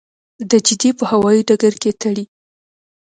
د جدې په هوايي ډګر کې تړي.